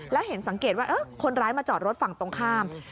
แล้วเห็นสังเกตว่าคนร้ายมาจอดรถฝั่งตรงข้าม